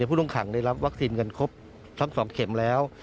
ผู้ต้องขังได้รับวัคซีนกันครบทั้ง๒เข็มแล้ว